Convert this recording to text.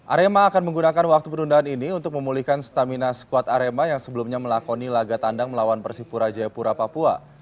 arema akan menggunakan waktu penundaan ini untuk memulihkan stamina skuad arema yang sebelumnya melakoni laga tandang melawan persipura jayapura papua